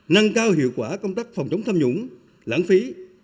nâng cao hiệu quả công tác phòng chống tham nhũng lãng phí